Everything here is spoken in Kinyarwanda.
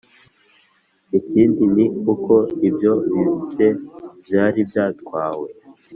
ikindi ni uko ibyo bibye byari byatwawe